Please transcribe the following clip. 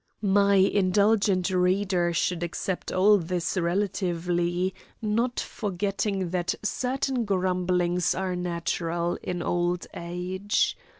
My indulgent reader should accept all this relatively, not forgetting that certain grumblings are natural in old age.